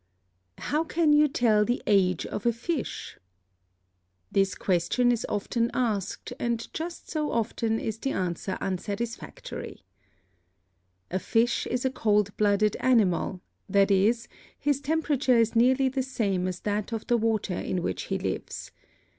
How can you tell the age of a fish? This question is often asked and just so often is the answer unsatisfactory. A fish is a cold blooded animal; that is, his temperature is nearly the same as that of the water in which he lives.